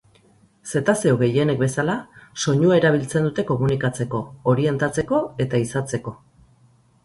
Zetazeo gehienek bezala soinua erabiltzen dute komunikatzeko, orientatzeko eta ehizatzeko.